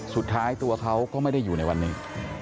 สุดท้ายตัวเขาก็ไม่ได้อยู่ในวันหนึ่ง